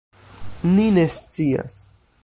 Ni ne scias.